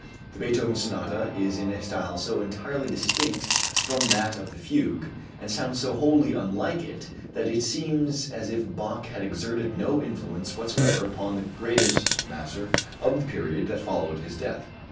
The Beethoven sonata is in a style so entirely distinct from that of the fugue, and sounds so wholly unlike it, that it seems as if Bach had exerted no influence whatsoever upon the greatest master of the period that followed his death.